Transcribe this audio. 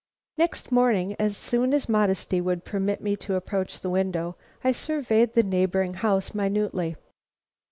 Next morning as soon as modesty would permit me to approach the window, I surveyed the neighboring house minutely.